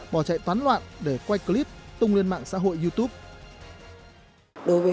bỏ chạy toán loạn để quay clip tung lên mạng xã hội youtube